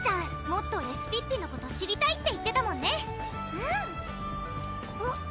もっとレシピッピのこと知りたいって言ってたもんねうん！